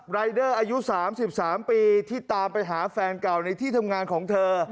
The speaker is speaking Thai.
รายเดอร์อายุ๓๓ปีที่ตามไปหาแฟนเก่าในที่ทำงานของเธอ